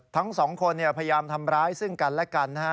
ทั้งสองคนพยายามทำร้ายซึ่งกันและกันนะฮะ